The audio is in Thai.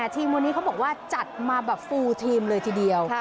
ทีมวันนี้เขาบอกว่าจัดมาแบบฟูลทีมเลยทีเดียว